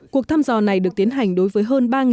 cuộc thăm dò này được tiến hành đối với hơn ba